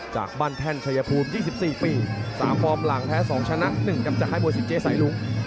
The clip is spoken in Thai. จากบ้านแท่นชัยภูมิ๒๔ปี๓ความหลังแท้๒ชนะ๑จากข้ายโบสิเจสัยรุ้ง